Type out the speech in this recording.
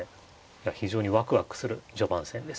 いや非常にワクワクする序盤戦です。